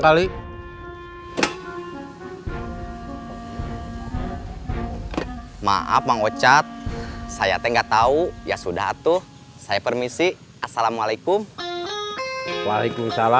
kali maaf mau cat saya nggak tahu ya sudah tuh saya permisi assalamualaikum waalaikumsalam